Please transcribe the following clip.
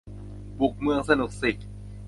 บุกเมือง สนุกสิ